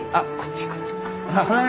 ・はい。